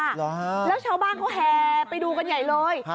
แล้วเช้าบ้านเขาแฮ่ไปดูกันใหญ่เลย